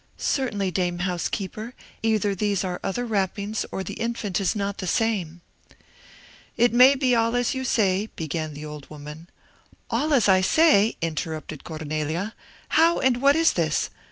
Certainly, dame housekeeper, either these are other wrappings, or the infant is not the same." "It may all be as you say," began the old woman. "All as I say!" interrupted Cornelia, "how and what is this?